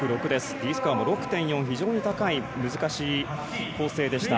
Ｄスコアも６．４で非常に高い難しい構成でした。